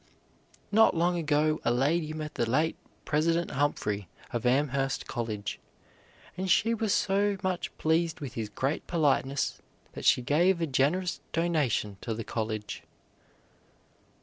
Not long ago a lady met the late President Humphrey of Amherst College, and she was so much pleased with his great politeness that she gave a generous donation to the college.